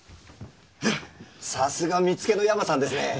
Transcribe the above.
さすが見つけのヤマさんですね。